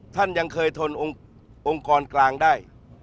ท่านยังเคยทนองค์กรกลางได้